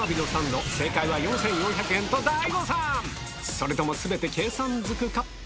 それとも全て計算ずくか？